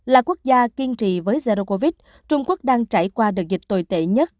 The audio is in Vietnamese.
là quốc gia kiên trì với zerocovid trung quốc đang trải qua đợt dịch tồi tệ nhất